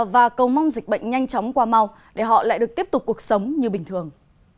và cầu mong dịch bệnh nhanh chóng qua mau để họ lại được tiếp tục cuộc sống như bình thường